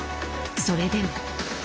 それでも。